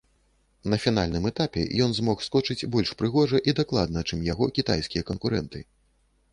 На фінальным этапе ён змог скочыць больш прыгожа і дакладна, чым яго кітайскія канкурэнты.